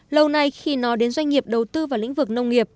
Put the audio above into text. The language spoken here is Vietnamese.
lâu nay khi nói đến doanh nghiệp đầu tư vào lĩnh vực nông nghiệp